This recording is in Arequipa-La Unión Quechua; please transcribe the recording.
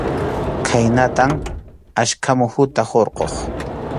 Khaynatam achka muhuta hurquq.